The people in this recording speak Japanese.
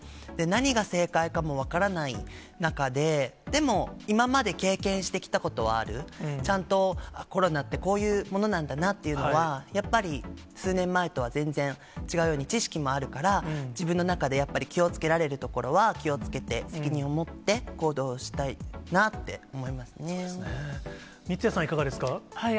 何が正解かも分からない中で、でも、今まで経験してきたことはある、ちゃんとコロナってこういうものなんだなっていうのは、やっぱり数年前とは全然違うように知識もあるから、自分の中でやっぱり、気をつけられるところは気をつけて、責任をもって行動し三屋さん、いかがですか。